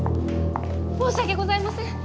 申し訳ございません。